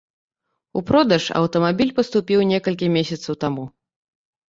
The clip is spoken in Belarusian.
У продаж аўтамабіль паступіў некалькі месяцаў таму.